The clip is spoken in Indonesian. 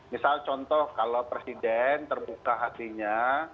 misal contoh kalau presiden terbuka hatinya